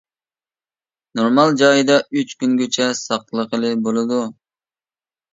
نورمال جايدا ئۈچ كۈنگىچە ساقلىغىلى بولىدۇ.